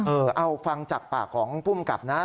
เอาฟังจากปากของภูมิกับนะ